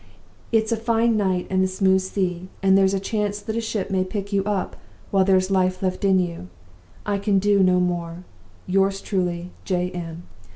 It's a fine night and a smooth sea, and there's a chance that a ship may pick you up while there's life left in you. I can do no more. Yours truly, J. M.